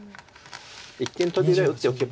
一間トビぐらい打っておけば。